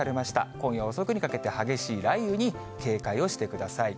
今夜遅くにかけて激しい雷雨に警戒をしてください。